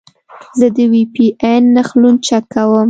زه د وي پي این نښلون چک کوم.